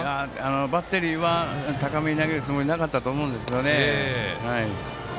バッテリーは高めに投げるつもりはなかったと思いますね。